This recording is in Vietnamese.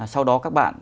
sau đó các bạn